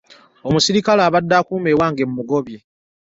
Omusirikale abadde akuuma ewange namugobye.